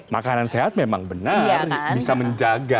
makanan sehat memang benar bisa menjaga